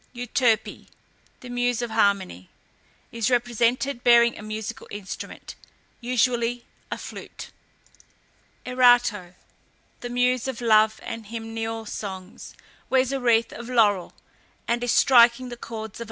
EUTERPE, the muse of Harmony, is represented bearing a musical instrument, usually a flute. ERATO, the muse of Love and hymeneal songs, wears a wreath of laurel, and is striking the chords of a lyre.